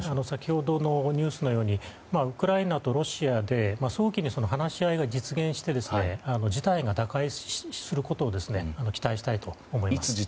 先ほどのニュースのようにウクライナとロシアで早期に話し合いが実現して事態が打開することを期待したいと思います。